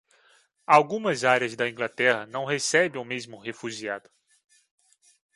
Algumas áreas da Inglaterra não recebem o mesmo refugiado.